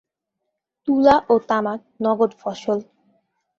তুলা ও তামাক নগদ ফসল।